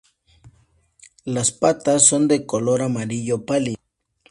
Las patas son de color amarillo pálido.